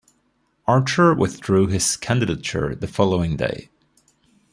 Archer withdrew his candidature the following day.